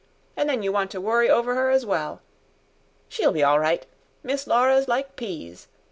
An' then you want to worry over 'er as well. She'll be all right. Miss Laura's like peas.